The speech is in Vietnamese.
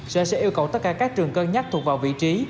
sở sẽ yêu cầu tất cả các trường cân nhắc thuộc vào vị trí